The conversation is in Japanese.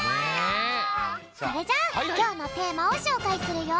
それじゃあきょうのテーマをしょうかいするよ。